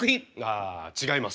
あ違います。